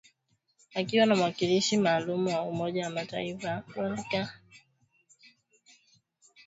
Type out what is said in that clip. Akiwa na mwakilishi maalum wa Umoja wa Mataifa, Volker Perthes